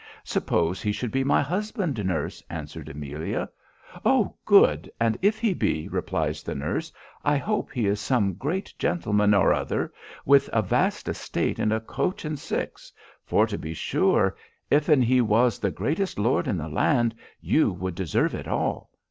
'Suppose he should be my husband, nurse,' answered Amelia. 'Oh! good! and if he be,' replies the nurse, 'I hope he is some great gentleman or other, with a vast estate and a coach and six: for to be sure, if an he was the greatest lord in the land, you would deserve it all.